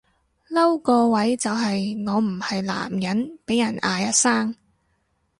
嬲個位就係我唔係男人被人嗌阿生